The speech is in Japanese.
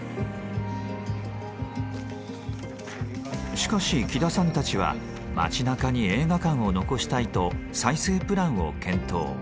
しかし喜田さんたちは街なかに映画館を残したいと再生プランを検討。